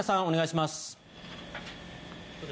お願いします。